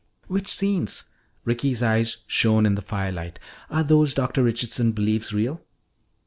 "Which scenes" Ricky's eyes shone in the firelight "are those Dr. Richardson believes real?"